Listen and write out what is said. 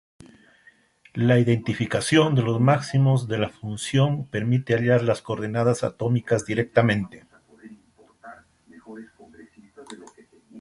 La identificación de los máximos de la función permite hallar las coordenadas atómicas directamente.